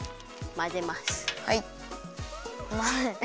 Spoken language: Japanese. まぜます。